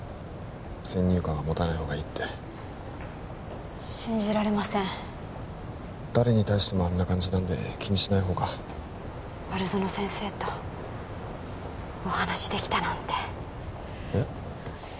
先入観は持たないほうがいいって信じられません誰に対してもあんな感じなんで気にしないほうが丸園先生とお話できたなんてえっ？